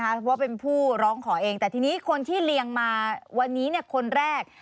เพราะว่าเป็นผู้ร้องขอเองแต่ทีนี้คนที่เรียงมาวันนี้คนแรก